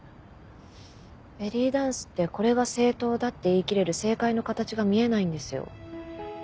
ベリーダンスってこれが正統だって言い切れる正解の形が見えないんですよ。